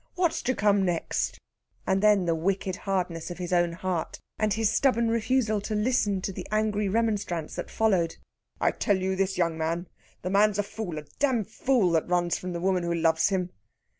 what's to come next?" And then the wicked hardness of his own heart, and his stubborn refusal to listen to the angry remonstrance that followed. "I tell you this, young man! the man's a fool a damned fool that runs from the woman who loves him!"